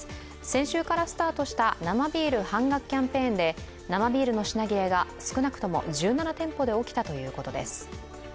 先週からスタートした生ビール半額キャンペーンで生ビールの品切れが少なくとも１７店舗で起きたということです。